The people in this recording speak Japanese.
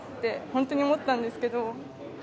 本当に思ったんですけど。